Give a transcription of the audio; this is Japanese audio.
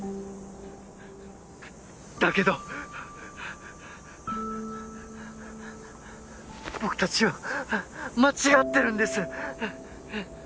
だけど僕たちは間違ってるんです！